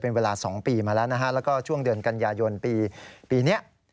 เป็นเวลา๒ปีมาแล้วนะฮะแล้วก็ช่วงเดือนกันยายนปีนี้